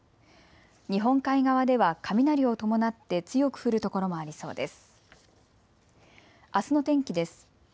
日本海側では雷を伴って強く降る所もありそうです。